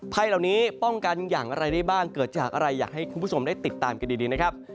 ภัยเหล่านี้ป้องกันอย่างไรได้บ้างเกิดจากอะไรอยากให้คุณผู้ชมได้ติดตามกันดีนะครับ